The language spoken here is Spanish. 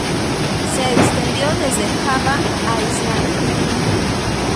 Se extendió desde Java a Islandia.